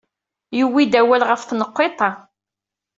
Yuwey-d awal ɣef tenqiḍt-a.